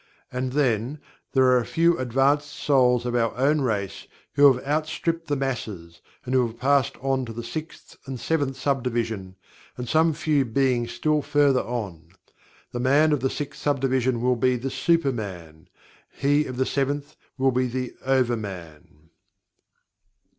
And, then there are a few advanced souls of our own race who have outstripped the masses, and who have passed on to the sixth and seventh sub division, and some few being still further on. The man of the Sixth Sub Division will be "The Super Man"; he of the Seventh will be "The Over Man."